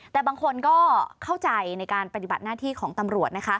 แต่บางคนก็เข้าใจในการปฏิบัติหน้าที่ของตำรวจนะคะ